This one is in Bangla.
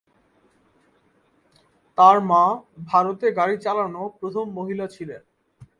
তার মা ভারতে গাড়ী চালানো প্রথম মহিলা ছিলেন।